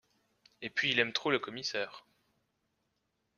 Et puis il aime trop le commissaire.